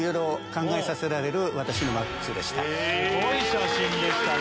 すごい写真でしたね。